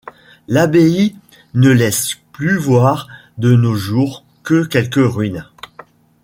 L'abbaye ne laisse plus voir de nos jours que quelques ruines.